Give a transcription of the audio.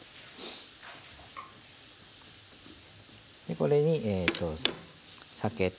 これに酒と。